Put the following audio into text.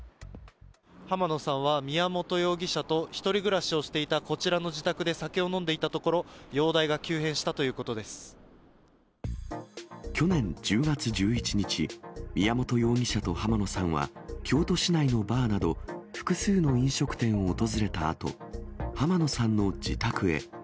浜野さんは宮本容疑者と１人暮らしをしていたこちらの自宅で酒を飲んでいたところ、去年１０月１１日、宮本容疑者と浜野さんは、京都市内のバーなど、複数の飲食店を訪れたあと、浜野さんの自宅へ。